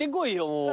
もう。